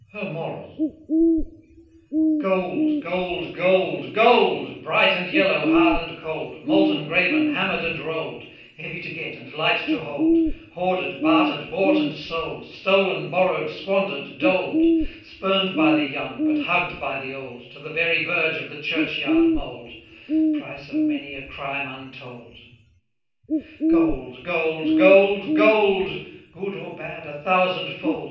HER MORAL. Gold! Gold! Gold! Gold! Bright and yellow, hard and cold, Molten, graven, hammer'd and roll'd; Heavy to get, and light to hold; Hoarded, barter'd, bought, and sold, Stolen, borrow'd, squander'd, doled: Spurn'd by the young, but hugg'd by the old To the very verge of the churchyard mould; Price of many a crime untold; Gold! Gold! Gold! Gold: Good or bad a thousand fold!